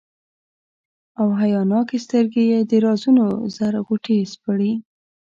او حیاناکي سترګي یې د رازونو زر غوټي سپړي،